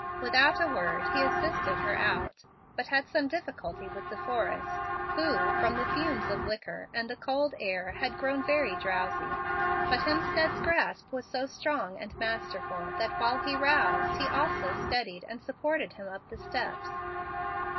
Without a word he assisted her oat, but had some difficulty with De Forrest, who, from the fumes of liquor and the cold air, had grown very drowsy. But Hemstead's grasp was so strong and masterful, that while he roused, he also steadied and supported him up the steps.